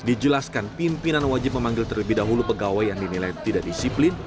dijelaskan pimpinan wajib memanggil terlebih dahulu pegawai yang dinilai tidak disiplin